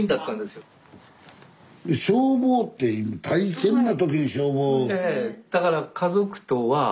消防って大変な時に消防。